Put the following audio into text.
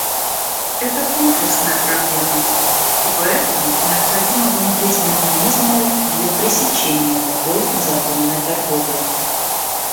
Это комплексная проблема, и поэтому необходимо внедрить механизмы для пресечения такой незаконной торговли.